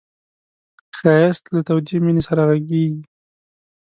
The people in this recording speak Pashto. ښایست له تودې مینې سره غږېږي